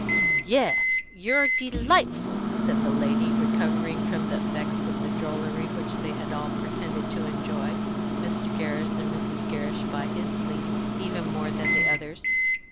"Yes, you're delightful," said the lady, recovering from the effects of the drollery which they had all pretended to enjoy, Mr. Gerrish, and Mrs. Gerrish by his leave, even more than the others.